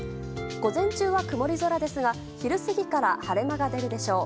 午前中は曇り空ですが昼過ぎから晴れ間が出るでしょう。